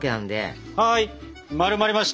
はい丸まりました。